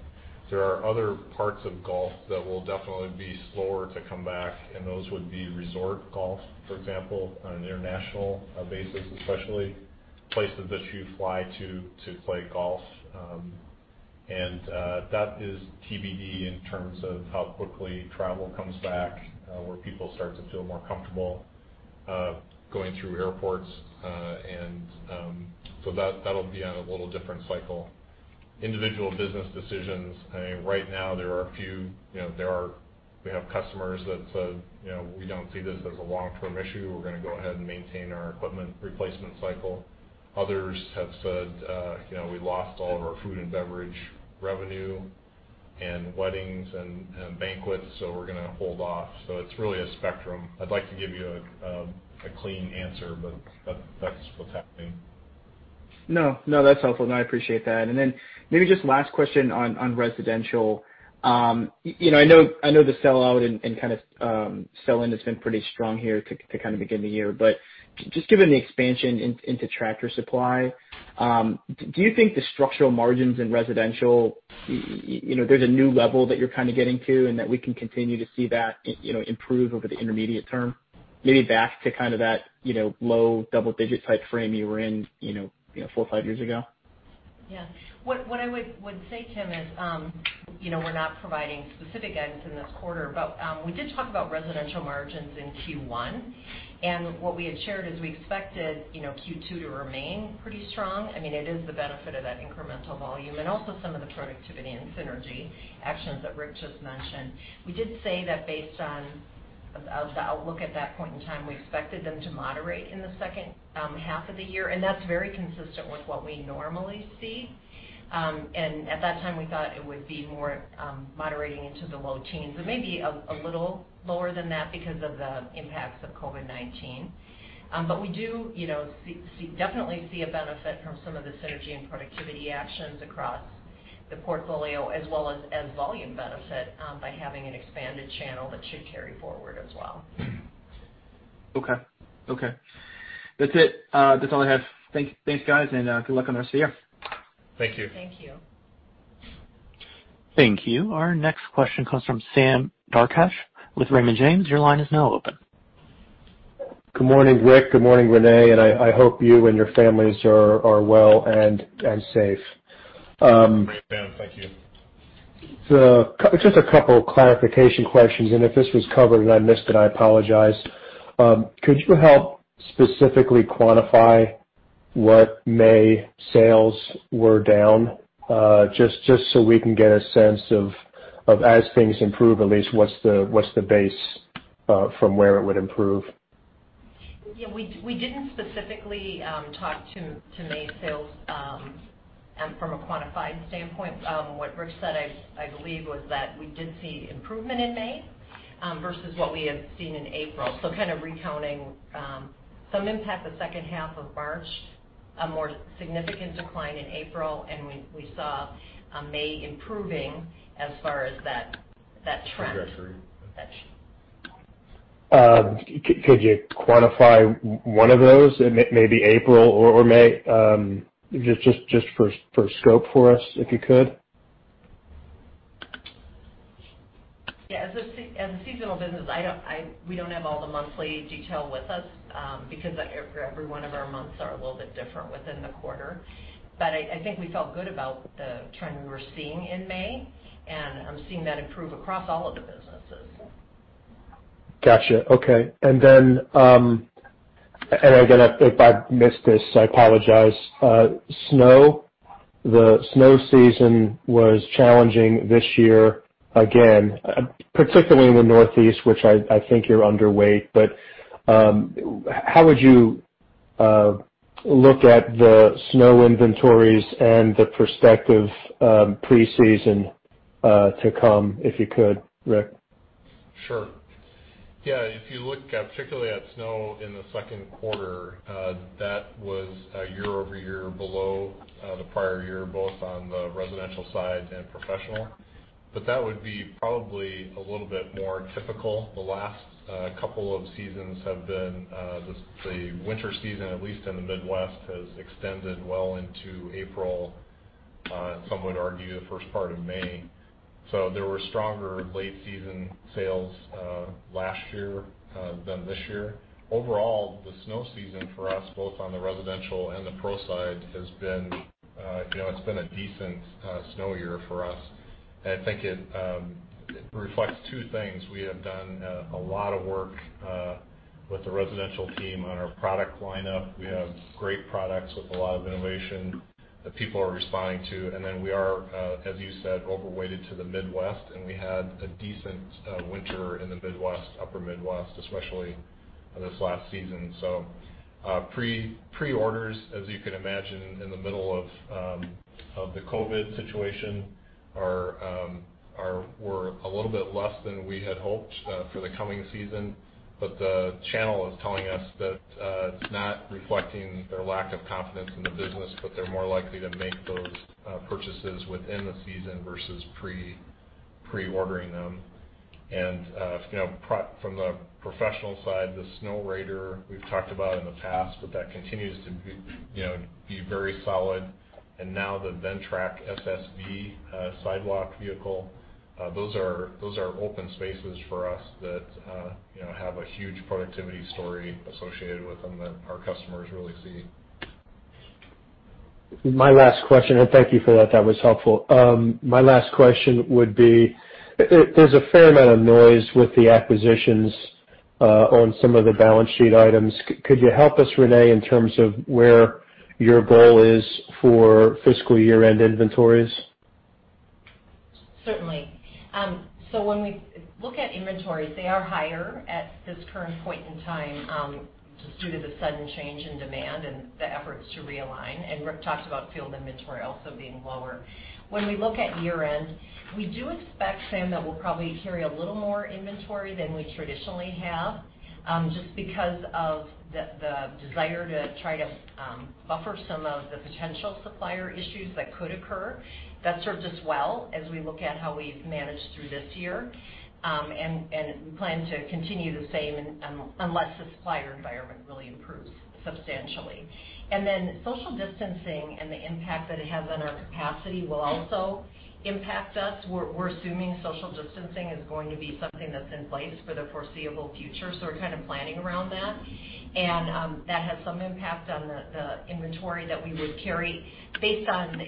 There are other parts of golf that will definitely be slower to come back, and those would be resort golf, for example, on an international basis especially, places that you fly to play golf. That is TBD in terms of how quickly travel comes back, where people start to feel more comfortable going through airports. That'll be on a little different cycle. Individual business decisions, I mean, right now there are a few. We have customers that said, "We don't see this as a long-term issue. We're going to go ahead and maintain our equipment replacement cycle." Others have said, "We lost all of our food and beverage revenue and weddings and banquets, so we're going to hold off." It's really a spectrum. I'd like to give you a clean answer, but that's what's happening. No, that's helpful. I appreciate that. Maybe just last question on residential. I know the sell out and kind of sell in has been pretty strong here to kind of begin the year. Just given the expansion into Tractor Supply Company, do you think the structural margins in residential, there's a new level that you're kind of getting to and that we can continue to see that improve over the intermediate term? Maybe back to kind of that low double-digit type frame you were in four or five years ago. Yeah. What I would say, Tim, is we're not providing specific guidance in this quarter. We did talk about residential margins in Q1, and what we had shared is we expected Q2 to remain pretty strong. I mean, it is the benefit of that incremental volume and also some of the productivity and synergy actions that Rick just mentioned. We did say that based on the outlook at that point in time, we expected them to moderate in the second half of the year, and that's very consistent with what we normally see. At that time, we thought it would be more moderating into the low teens, but maybe a little lower than that because of the impacts of COVID-19. We do definitely see a benefit from some of the synergy and productivity actions across the portfolio as well as volume benefit by having an expanded channel that should carry forward as well. Okay. That's it. That's all I have. Thanks, guys, and good luck on the rest of the year. Thank you. Thank you. Thank you. Our next question comes from Sam Darkatsh with Raymond James. Your line is now open. Good morning, Rick. Good morning, Renee. I hope you and your families are well and safe. Great, Sam. Thank you. Just a couple of clarification questions, and if this was covered and I missed it, I apologize. Could you help specifically quantify what May sales were down, just so we can get a sense of, as things improve, at least what's the base from where it would improve? Yeah, we didn't specifically talk to May sales from a quantified standpoint. What Rick said, I believe, was that we did see improvement in May versus what we had seen in April. Kind of recounting some impact the second half of March, a more significant decline in April, and we saw May improving as far as that trend. I agree. Could you quantify one of those, maybe April or May? Just for scope for us, if you could. Yeah. As a seasonal business, we don't have all the monthly detail with us because every one of our months are a little bit different within the quarter. I think we felt good about the trend we were seeing in May, and I'm seeing that improve across all of the businesses. Got you. Okay. Again, if I missed this, I apologize. Snow. The snow season was challenging this year again, particularly in the Northeast, which I think you're underweight, but how would you look at the snow inventories and the prospective pre-season to come, if you could, Rick? Sure. Yeah. If you look particularly at snow in the second quarter, that was year-over-year below the prior year, both on the residential side and professional. That would be probably a little bit more typical. The last couple of seasons have been the winter season, at least in the Midwest, has extended well into April, and some would argue the first part of May. There were stronger late season sales last year than this year. Overall, the snow season for us, both on the residential and the pro side has been a decent snow year for us. I think it reflects two things. We have done a lot of work with the residential team on our product lineup. We have great products with a lot of innovation that people are responding to. We are, as you said, overweighted to the Midwest, and we had a decent winter in the Midwest, upper Midwest, especially this last season. Pre-orders, as you can imagine, in the middle of the COVID-19 situation were a little bit less than we had hoped for the coming season. The channel is telling us that it's not reflecting their lack of confidence in the business, but they're more likely to make those purchases within the season versus pre-ordering them. From the professional side, the Snow Commander, we've talked about in the past, but that continues to be very solid. Now the Ventrac SSV sidewalk vehicle. Those are open spaces for us that have a huge productivity story associated with them that our customers really see. My last question, and thank you for that was helpful. My last question would be, there's a fair amount of noise with the acquisitions on some of the balance sheet items. Could you help us, Renee, in terms of where your goal is for fiscal year-end inventories? Certainly. When we look at inventories, they are higher at this current point in time, just due to the sudden change in demand and the efforts to realign. Rick talked about field inventory also being lower. When we look at year-end, we do expect, Sam, that we'll probably carry a little more inventory than we traditionally have, just because of the desire to try to buffer some of the potential supplier issues that could occur. That served us well as we look at how we've managed through this year. We plan to continue the same unless the supplier environment really improves substantially. Social distancing and the impact that it has on our capacity will also impact us. We're assuming social distancing is going to be something that's in place for the foreseeable future, so we're kind of planning around that. That has some impact on the inventory that we would carry based on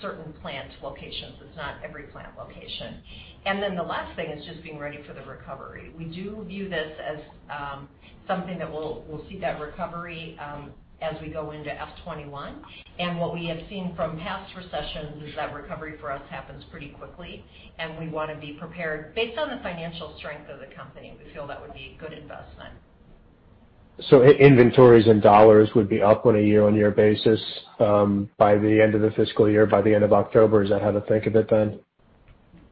certain plant locations. It's not every plant location. Then the last thing is just being ready for the recovery. We do view this as something that we'll see that recovery, as we go into F 2021. What we have seen from past recessions is that recovery for us happens pretty quickly, and we want to be prepared. Based on the financial strength of the company, we feel that would be a good investment. Inventories in dollars would be up on a year-on-year basis, by the end of the fiscal year, by the end of October. Is that how to think of it, then?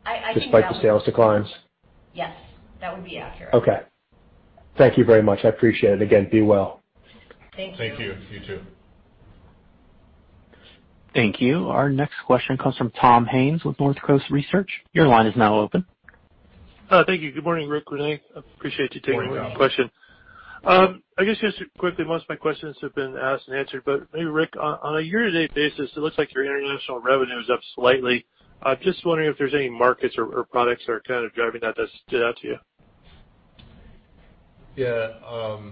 I think that would. Despite the sales declines. Yes, that would be accurate. Okay. Thank you very much. I appreciate it. Again, be well. Thank you. Thank you. You too. Thank you. Our next question comes from Tom Hayes with Northcoast Research. Your line is now open. Thank you. Good morning, Rick, Renee. I appreciate you taking my question. Good morning, Tom. I guess just quickly, most of my questions have been asked and answered, but maybe Rick, on a year-to-date basis, it looks like your international revenue is up slightly. I'm just wondering if there's any markets or products that are kind of driving that stood out to you? Yeah.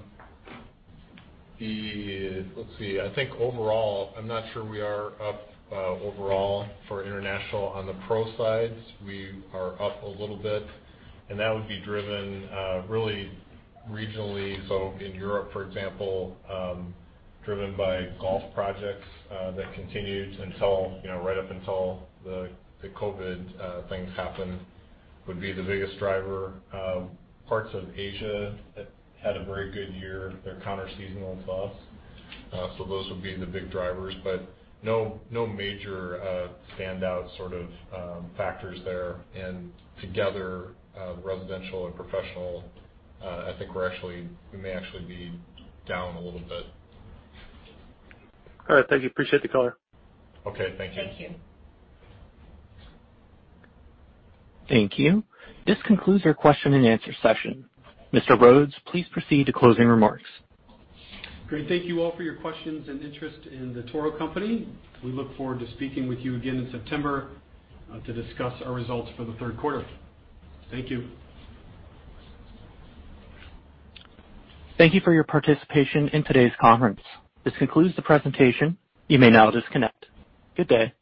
Let's see. I think overall, I'm not sure we are up overall for international. On the pro sides, we are up a little bit, and that would be driven really regionally, so in Europe, for example, driven by golf projects that continued right up until the COVID things happened, would be the biggest driver. Parts of Asia had a very good year. They're counterseasonal to us. Those would be the big drivers, but no major standout sort of factors there. Together, residential and professional, I think we may actually be down a little bit. All right. Thank you. Appreciate the call. Okay. Thank you. Thank you. Thank you. This concludes our question and answer session. Mr. Rhoads, please proceed to closing remarks. Great. Thank you all for your questions and interest in The Toro Company. We look forward to speaking with you again in September, to discuss our results for the third quarter. Thank you. Thank you for your participation in today's conference. This concludes the presentation. You may now disconnect. Good day.